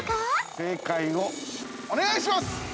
◆正解をお願いします。